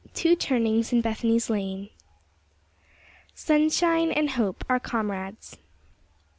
TWO TURNINGS IN BETHANY'S LANE. "Sunshine and hope are comrades."